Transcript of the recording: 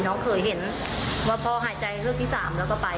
น้องเคยเห็นว่าพ่อหายใจเฮือกที่๓แล้วก็ไป